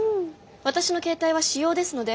私の携帯は私用ですので。